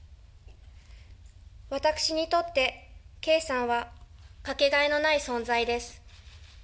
私にとって、圭さんは掛けがえのない存在です。